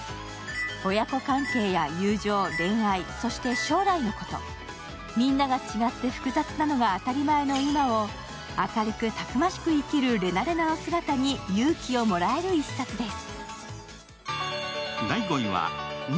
親子関係や友情、恋愛、そして将来のこと、みんなが違って複雑なのが当たり前の今を、明るくたくましく生きるレナレナの姿に勇気をもらえる１冊です。